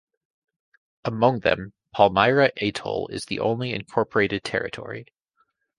Among them, Palmyra Atoll is the only incorporated territory.